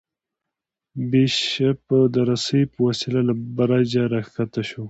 بیشپ د رسۍ په وسیله له برجه راکښته شو.